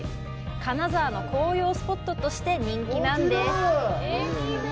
金沢の紅葉スポットとして人気なんです。